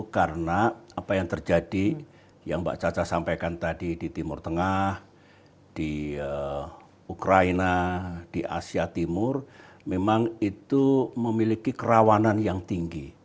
karena apa yang terjadi yang mbak caca sampaikan tadi di timur tengah di ukraina di asia timur memang itu memiliki kerawanan yang tinggi